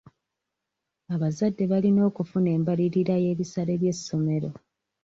Abazadde balina okufuna embalirira y'ebisale by'essomero.